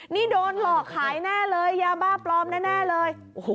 นี่โดนหลอกขายแน่เลยยาบ้าปลอมแน่เลย